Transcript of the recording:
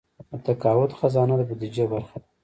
د تقاعد خزانه د بودیجې برخه ده